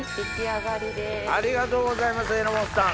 ありがとうございます榎本さん。